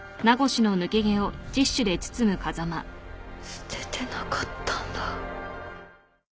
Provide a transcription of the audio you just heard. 捨ててなかったんだ。